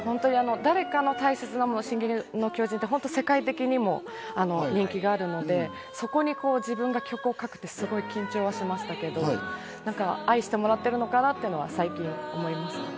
誰かの大切なもの、『進撃の巨人』って本当に世界的にも人気があるので、そこに自分が曲を書くって、すごく緊張しましたけど、愛してもらっているのかなっていうのは最近、思います。